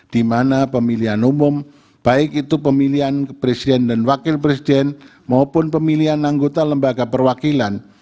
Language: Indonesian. di mana pemilihan umum baik itu pemilihan presiden dan wakil presiden maupun pemilihan anggota lembaga perwakilan